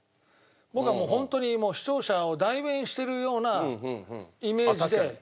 僕はもうホントに視聴者を代弁してるようなイメージでやってますから。